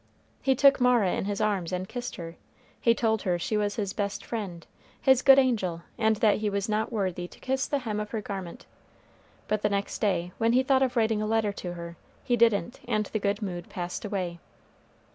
He took Mara in his arms and kissed her; he told her she was his best friend, his good angel, and that he was not worthy to kiss the hem of her garment; but the next day, when he thought of writing a letter to her, he didn't, and the good mood passed away.